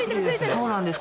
そうなんです。